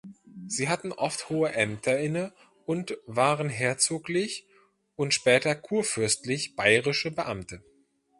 Sie hatten oft hohe Ämter inne und waren herzoglich und später kurfürstlich bayerische Beamte.